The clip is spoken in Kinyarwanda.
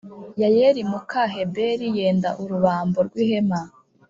Yayeli Muka Heberi Yenda Urubambo Rw Ihema